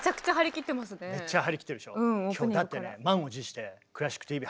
だってね満を持して「クラシックＴＶ」